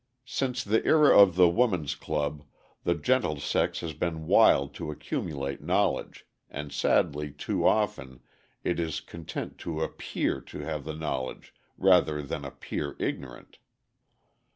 Since the era of the woman's club, the gentle sex has been wild to accumulate knowledge, and sadly too often, it is content to appear to have the knowledge rather than appear ignorant.